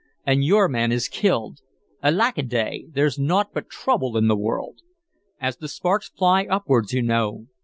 And your man is killed! Alackaday! there's naught but trouble in the world. 'As the sparks fly upwards,' you know.